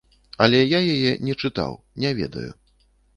Але я яе не чытаў, не ведаю.